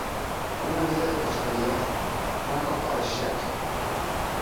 Una vida de prosperidad; una copa de sake.